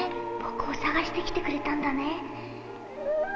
僕を捜してきてくれたんだね」